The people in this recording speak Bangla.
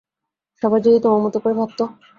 সবাই যদি তোমার মত করে ভাবত!